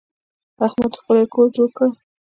احمد ښکلی کور جوړ کړی.